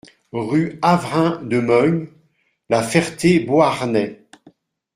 Rue Avrain de Meung, La Ferté-Beauharnais